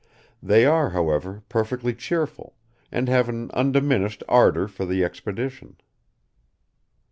They are, however, perfectly cheerful, and have an undiminished ardor for the expedition."